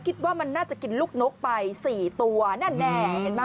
คิดว่ามันน่าจะกินลูกนกไป๔ตัวนั่นแน่